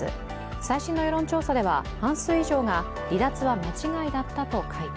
最新の世論調査では半数以上が離脱は間違いだったと回答。